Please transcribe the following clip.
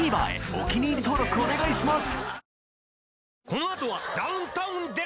お気に入り登録お願いします